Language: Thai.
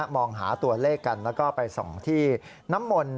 มองหาตัวเลขกันแล้วก็ไปส่องที่น้ำมนต์